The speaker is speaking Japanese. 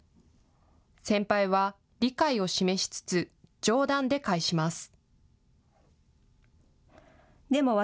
先輩は、理解を示しつつ、冗談で返します。